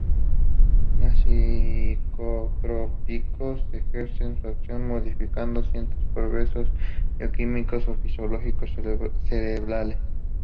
Los psicotrópicos ejercen su acción modificando ciertos procesos bioquímicos o fisiológicos cerebrales.